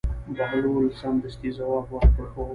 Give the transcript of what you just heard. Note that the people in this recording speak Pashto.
بهلول سمدستي ځواب ورکړ: هو.